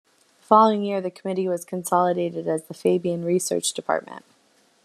The following year the committee was consolidated as the Fabian Research Department.